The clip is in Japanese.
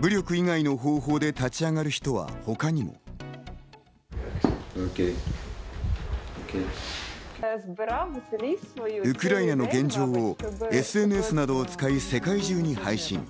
武力以外の方法で立ち上がる人は他にも。ウクライナの現状をＳＮＳなどを使い世界中に配信。